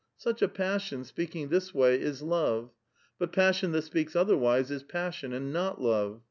Such a passion, speaking this way, is love. But passion that speaks otherwise is passion and not love.